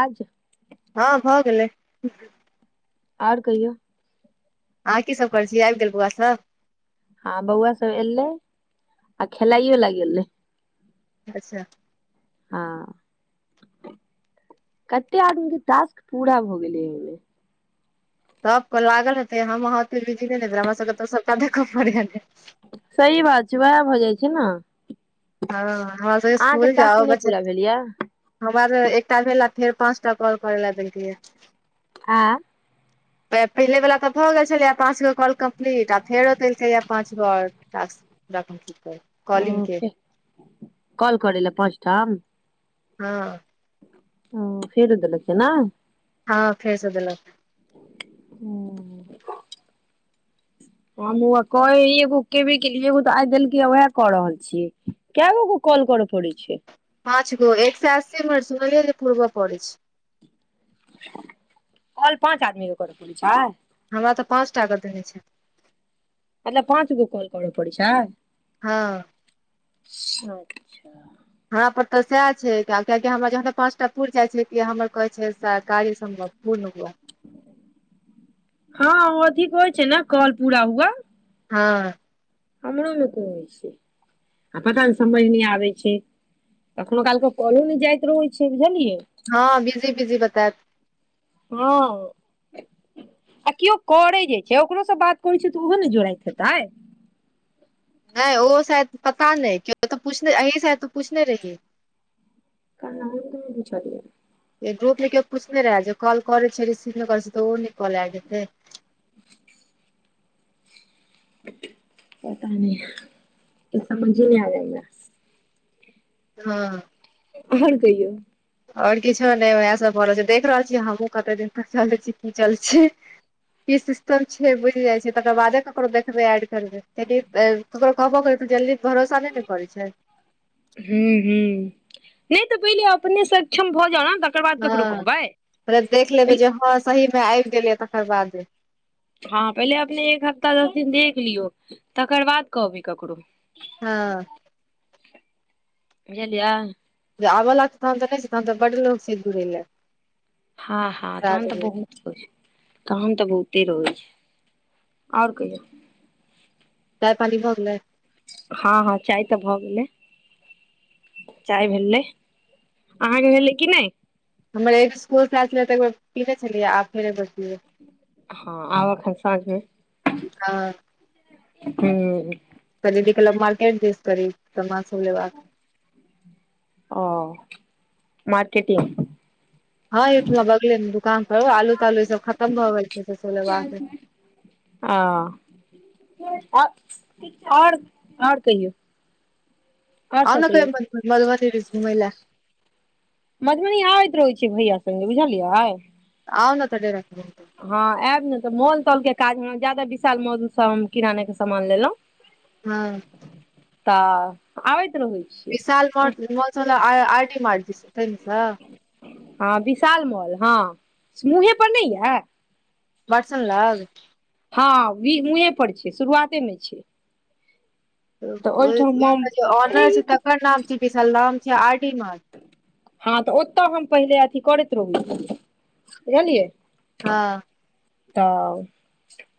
आज हँ भऽ गेलै आओर कहियौ। अहाँ की सभ करै छी आइब गेल बौआ सब। हँ बौआ सब एलै आ खेलइये लऽ गेलै अच्छऽ हँ कते आदमीकेँ टास्क पूरा भऽ गेलै हँ यै तब कोई लागल हेतै हम अहाँके बिजी नय नय हमरा सबके तऽ सबटा देखय पड़ै ह सही बात छै उएह भऽ जाइ छै न हँ हमरा सबके स्कूल जाउ टास्क हो नहि बच्चा पूरा भेल यए हमर एकटा भेल आ फेर पाँच टा कॉल करै लए देलकैये आंइ पहिले वला तऽ भऽ गेल छलैए पाँच गो कॉल कम्प्लीट आ फेरो देलकैए पाँच गो आओर टास्क [unintelligible] ओ के फेर काॅल करै ल पांच ठाम हँ हूं फेर एत देेखियै नय हँ फेर स देलक हूं हम हुआ कये एगो केेबे केलीयै एगो तऽ आइ देलकै त उएह कऽ रहल छियै केऽगो क काॅल कर पड़ै छै पांच गो एकसै अस्सी मीनट सुनलियै नय पूर्व पड़ै छै काॅल पाँच आदमी मे करय परै छै हमरा तऽ पाँच टा के देने छै मतलब पाँच गो कॉल कर पड़ै छै हँ अच्छा अच्छा हमरा पर तऽ सएह छै कियाकि हमरा जहाँ त पाँचटा पूर जाइ छै कि हमर कहै छै सर कार्य सम्पन [unintelligible] हँ ओथीक होइ छै ने काॅल पूरा हुआ हँ हमरो मे कोई नय छै आ पता नय समझ नय आबै छै कखनो काल क काॅलो नय जाइत रहै छै बुझलियै हँ बिजी बिजी बतेत हँ आ किओ करै जे छै ओकरो स बात करै छै तऽ ओहो ने जोड़ाइत हेतै नयै ओ शायद पता नय किया तऽ अहि शायद पूछने रहियै काहा हम नय पुछलियै ग्रुप मे कियो पुछने रहे जे काॅल करै छेलही से रिसीव नय करै छै तऽ ओ नय कॉल एल हेतै ह पता नय किछ समझे नय आबैया हमरा हँ आर कहियौ आओर किछो नय उएह सभ भऽ रहल छै देख रहल छियै हमहूँ कते दिन तक चलै छी की चलै छी की सिस्टम छै‌ बुझि जाइ छै तकर बादे ककरो देखबै एड करबै कियाकी ककरो कहबो करबै त जल्दी भरोसा नय न करै छै हूं हूं नय तऽ पहिले अपने सक्षम भऽ जाउ न हँ फेर देख लेबै जे हँ सही मे आबि गेलै तकर बादे हँ पहिले अपने एक हफ्ता दस दिन देख लियौ तकर बाद कहबै ककरो हँ बुझलियै जे आबऽ लागै तहन तऽ नय छै तहन तऽ बड़ लोक छै जूड़ै ले हँ -हँ तहन तऽ बहु काम तऽ बहुते रहै छै आओर कहियौ चाय पानि भ गेलै हँ- हँ चाय तऽ भऽ गेलै। चाय भेलै अहाँके भेलै कि नहि। हमर स्कुलसँ आयल छलै तऽ पीने छलियै आब फेरो एक बेर पिबे। हँ आब एखन साँझमे हँ हु। दीदी गेलो माकेट के दिसन कनि समान सबलेबाक। ओ मार्केटिग। हँ एहिठमा बगले मे दुकान पर आलू तालू ई सब खतम भऽ गेल छै से सब लेबाक छै आ आओ आओर आओर कहियौ। आओर आउ सब न कहियौ कहियो मधुबनी दिसन घुमै लए। मधुबनी आबैत रहै छियै भैया संगे बुझलियै। आउ न त डेराप पर। हँ आयब ने तऽ मौल तौल के काज ह जायदा विशाल मौल से हम किराने के सामान लेलौ [unintelligible] हँ। तऽ आबइत रहु। बिशाल माँल मौल आइ आइडीमार्ट दीस तै मे। हँ विशाल मॉल हँ मुहे पर नहि या वाटसन लग हँ मुहे पर छै शुरुआते मे छै। तऽ ओ ओहिठाम हम जे ऑनर छै तकर नाम छै विशाल छै नाम छै आर डी मार्ट हँ तऽ ओतऽ हम पहिले अथी करैत रहु बुझलियै। हँ। तऽ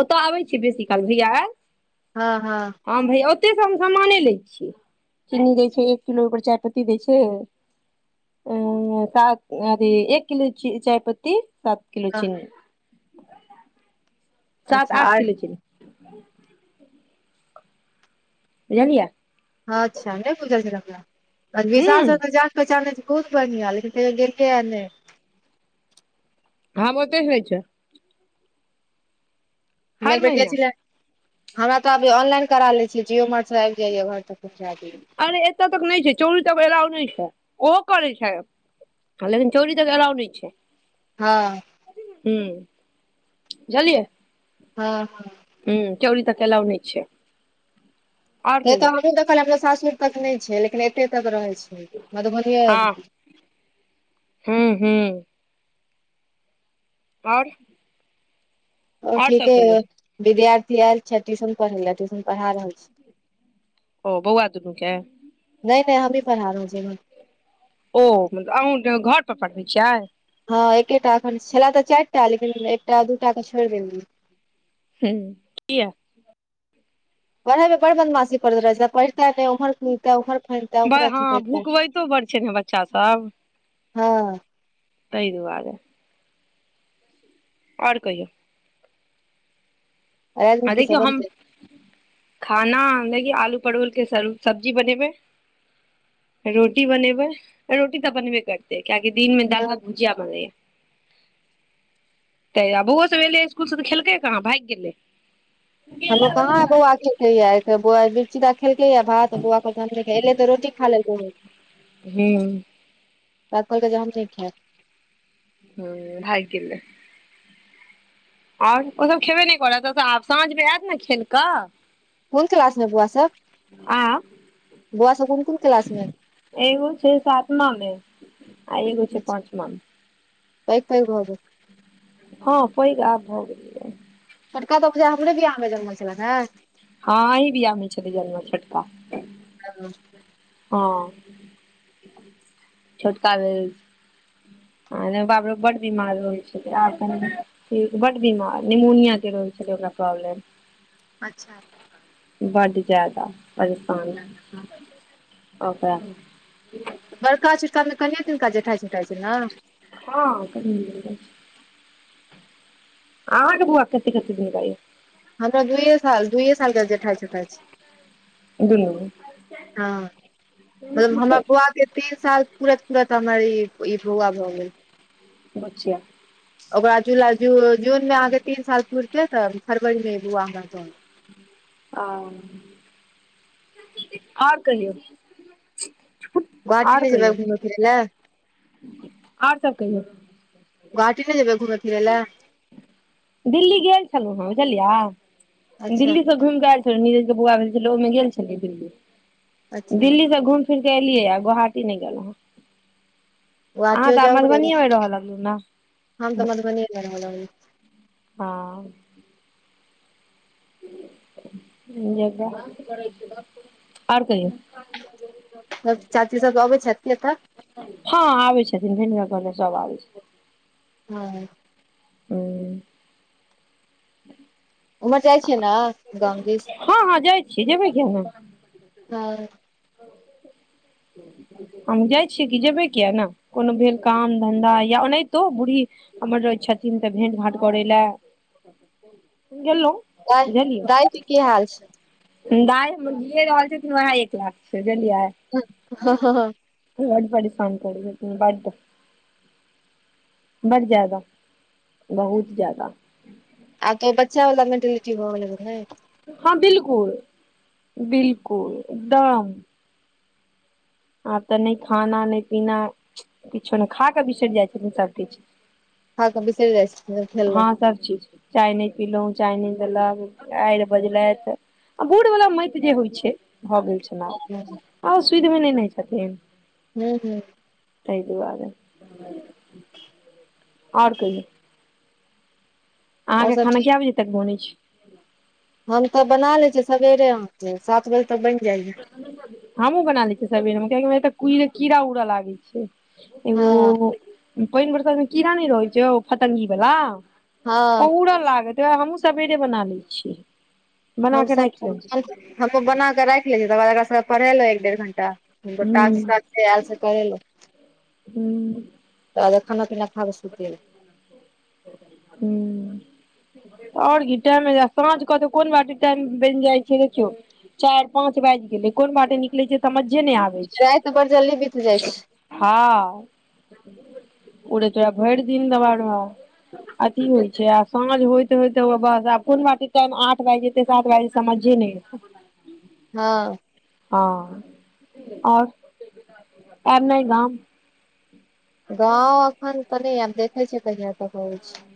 ओतय आबै छियै बेसी काल भैया आयल। हँ -हँ। हम भैया ओतयसँ हम सामने लै छियै चिनी दै छै एक किलो ओय पर चायपत्ती दै छै। अ सात अथी एक किलो च चायपत्ती सात किलो हँ चिन्नी। सात अच्छा आठ आर किलो चिनी। बुझलियै। अच्छा नहि बुझल छल हमरा ह विशाल स तऽ जान पहचाने त छियै बहुत बढ़िया लेकिन कही यो गेलियै नै। हँ बहुते होय छै। [inaudible] हमरा हर महीना तऽ अभी ऑनलाइन करा लै छियै जिओ मार्टसँ आबि जाइए घर तक। [inaudible] अरे एतऽ तक नहि छै चौरी तक एलाव नहि छै ओहो करै छै। हँ लेकिन चोरी तऽ एलाउ नहि छै। हँ। हु बुझलियै। हँ-हँ। हु चौरी तऽ एलाव नहि छै। आओर नहि तऽ कहियौ हमहूँ देखलिय हमरा सासुर तक नहि छै लेकिन एते तक रहै छै मधुबनीए। हूँ -हूँ। आओर। आओर सब ठीके कहियौ अय विद्यार्थी आयल छथि ट्यूशन पढै लए ट्यूशन पढ़ा रहल छी ओ बौआ दूनू के नय नय हमहीं पढा रहल छियै एखन ओ मतलब अहूँ घर पर पढ़बै छियै हँ एकेटा एखन छलै तऽ चारिटा लेकिन एकटा दूटा तऽ छोड़ि देलियै। हूंम्म किये। कहलौं तऽ बर बदमासी करैत रहै छै पढिते तऽ हम उर फता ओर फैलता ब ओर हँ अथी कैरता भुकबैतो बड़ छै ने बच्चा हँ तहि दुवारे आओर कहियौ राति मे आ की सब देखियौ हम बनतै खाना ली आलू परबल के सब्जी बनेबै रोटी बनेबै रोटी तऽ बनबे करतेै कियाकि दिनमे दालि भात भुजिया बनलैये तऽ आब बौओ सब एलै इसकुलसँ तऽ खेलकै कहाँ भागि गेलै हमरो कहाँ बौआ खेल बौआ मिरर्ची खेलकै या भात बौआले तऽ रोटी खा लेलकै हन हुँ रात कहलकै जे हम नय खैब हूँ भागि गेलै आओर ओसभ खेबे नय करत आब साँझ मे आयत न खेल कऽ कोन क्लास मे बौआ सब आ बौआ सब कोन कोन क्लास मे एगो छै सातमा मे आ एगो छै पाँचमा मे पैग पैग भऽ गेल हँ पैग आब भऽ गेलै छोटका तऽ बुझाय हमरे बियाह मे जन्मल छलै ने हँ अहीं बियाहमे छेलै जन्मल छोटका हँ हँ छोटका भेल हँ बापरौ बड्ड बीमार रहै छलै आब तऽ बड्ड बीमार निमोनिया के र छल ओकरा प्रॉब्लम अच्छा बड्ड जायदा परेशान ओकरा लऽ कऽ बड़का छोटकामे कनिये दिनका जेठाइ छोटाइ छै न हँ कनियें दिनका छै आहाँके बौआ कतेक कतेक दिनका ये हमरा दुइये साल दुइए सालके जेठाइ छोटाइ छै दुनू हँ मतलब हमरा छै बौआ के तीन साल पुरत पुरत हमरा ई बौआ भऽ गेल बुचिया ओकरा जुलाइ जूनमे अहाँके तीन साल पुरतै तऽ फरवरीमे अहाँ आओ आओर कहियौ आओर घुमै कहियौ फिरै ले आओर सब कहियौ घाटी नय जेबै घुमै फिरै लए दिल्ली गेल छलौं हेँ बुझलियै अच्छा दिल्लीसँ घुम के एल छलै नीरज के बौआ भेल छलै ओहिमे गेल छलै दिल्ली अच्छा दिल्ली से घुईम फिर गेलियै या गोहाटी नय गेलौंहे अहाँ गुवाहाटियो तऽ आब जाउ कहियो मधुबनीए मे रहऽ लगलु न हम तऽ मधुबनीए मे रह लगली हं [unintelligible] आर कहियौ सब चाची सब अबै छथि कि एतऽ हँ आबै छथिन भिनक घर [unintelligible] सब आबै छथिन हँ हूँ उम्हर जाइ छियै न गाम दिस हँ हँ जाइ छी जेबै किया नै आओर हम जाइ छियै कि जेबे किया ने कोनो भेल काम धन्धा या ओनाहितो बूढ़ही हमर रहय छथिन तऽ भेंट घाट करय लए गेँलउ दाइ दाइ के की हाल छै दाइ हमर जिए रहल छथिन वएह एक लाख छै बुझलियै हँ हँ हँ बड परेशान करय छथिन बड बड जादा बहुत जादा आब तो बच्चा वला मैनटिलिटी भऽ गेलनि नय हँ बिलकुल बिलकुल ड आब तऽ नय खाना नय पीना किछो नै खा कऽ बिसरि जाइ छलै सब किछ ने बिसरि जाइ छै खेललक हँ सब चीज चाय नै पिलहुँ चाय नै देलक गायर बजलथि आ बुड़ वला मति जे होइ छै भऽ गेल छनि आब आ ओ सुधि मे नै न छथिन हूँ हूँ तइ दुआरे आओर कहियौ आहाँ आओर के सब खाना ठीक कए बजे तक बनै छै हम तऽ बना लय छियै सबेरे आहा के सात बजे तक बैन जाइए हमहुँ बना लय छियै सबेरे मे कियाकी हमरा एत की कीड़ा उड़ लागै छै एगो हँ पनि बरसात मे कीड़ा नय रहै छै, ओ फतंगी बला हँ उड़ लागत तै दुआरे हमहुँ सबेरे बना लै छियै बना के राखि लै छियै हमहु बनाके राख लेलियै तकर बाद एकरा सबके पढ़ेलो एक-डेढ़ घंटा ओकर हूँ टास्क-तास्क जे ऐल से करेलहु हूँ ताबे खाना-पीना खाके सुतेलौ हूं आओर की टाइम साँझ क तऽ कोन बाटे टाइम बनि जाइ छै देखियौ चारि पाँच बाजि गेलै, कोन बाटे निकलै छै समझे नै आबै राति बड़ जल्दी बीत जाइ छै छै ह उड़े तोरा भरि दिन देबाक रहौ अथी होइ छै आब साँझ होइत होइत बस आब कोन बाटे टाइम आठ बाज जेतै से सात बाइज समझे नै एतै हँ हँ आओर आब नै न गाँंव एखन तऽ नै आब देखै छियै कहिआ तक अबय छी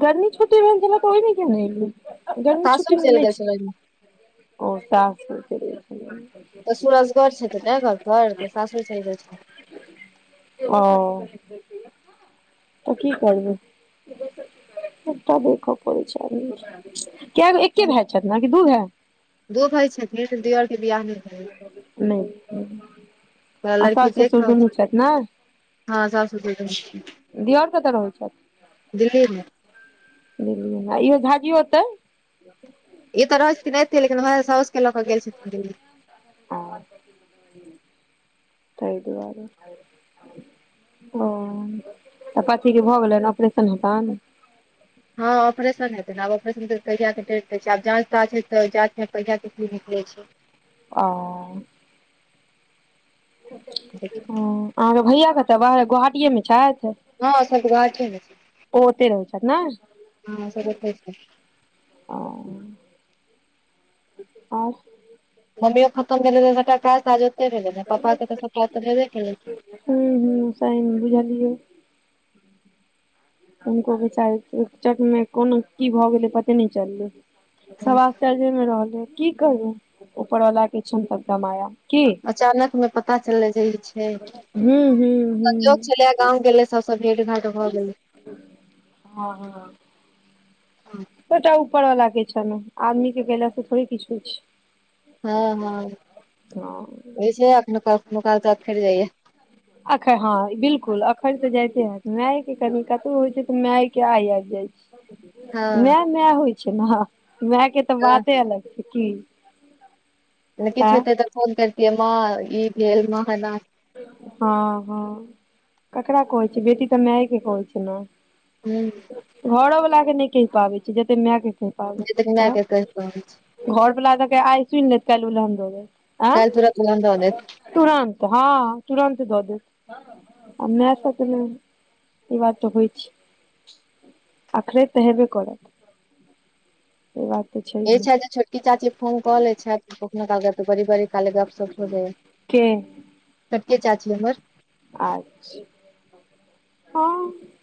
गरमी छुट्टी भेल छैला त ओइ मे किया न एलियै गरमी छुट्टी सासुर मे चलि नै गेल छै छलनि [inaudible] ओ तऽ तऽ सूरजगढ़ छथिन ने घर पर तऽ सासुर चलि गेल छथिन की करबै सबटा देख परय छै न केगो एके भाय छथि न कि दू भाय दू भाय छथिन दियोर के वियाह नै भेलै नहि आ लड़की सास देख ससुर रहल दुनू छथि ने छै हमर सास ससुर दियोर कतऽ रहै छथि दिल्ली मे इहो झाजी ओतै ई त रहै छथिन अतै लेकिन वैहे साउसके लके गेल छथिन दिल्ली आ [unintelligible] तै दुआरे ओ तऽ पथरी के भऽ गेलै ऑपरेशन हँ ऑपरेशन हेतै न आ ऑपरेशन क कहिया के डेट दै छै आब जाँच ताँच हेतै जाँचमे कहिया के की निकलै छै ओ देखियौ ह अहाँके भैया कतऽ बाहरे गोहाटीए मे छथि। हँ गोहाटिए मे छथि ओ ओते रहै छथि न हँ सब ओतै छथि ओं आओर मम्मी ओ खत्म भेलै त सबटा काज ताज ओतै भेलै न पप्पा के तऽ सबटा एतह भेबेकेलैन। हू हू सहि मे बुझलियै। हुनको बेचारी के चट में कोनो की भ गेलै पते न चलले सब आश्चर्य। समझ की करू ऊपर वाला के छनि सबटा माया की अचानक मे पता चल्ले जे छै हू हू हू संजोग छलै गाँव गेले सब सब भेंट घाट भऽ गेलै। हह सबटा ऊपर वाला के छनि आदमी के केलास से थोड़े किछु होय छै। हँ हँ छै अपने क तऽ अखेर जाइए। अखरि हँ बिल्कुल अखरि ते जाइते हेएत माय के कनि कतहु होय छै त माय के आय आबि जाय छै। [unintelligible] हँ मेंए मेंए होइ छै ने मेंए के तऽ बाते अलग होइ छै की। नहि किछु आँ हेतै तऽ फोन करितियै माँ ई भेल माँ एना। हँ हँ ककरा कहै छै बेटी तऽ मेंए क कहै छै ने। हुँ घरो बला के नहि कहि पाबै छी जते मेंए के नहि कहैय। के कहि रहल छी घर बला तऽ आइ सुनि काल्हि उलहन दऽ देत। आँ काल्हि तुरंत उलहन दऽ देत तुरन्त हँ तुरन्त दऽ देत। मेंए त ई बात तऽ होइ छै। अखरैत तऽ हेबे करत। ई बात तऽ छै। ए छैय जैच छोटकी चाची फोन कलैय छैथ कखनो काल तऽ बरी बरी। काल्हे गप सप हो रहे है के छोटकि चाची हमर। अच्छा हँ।